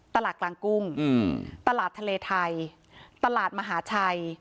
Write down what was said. ตลาดกลางกุ้งตลาดทะเลไทยตลาดมหาชัย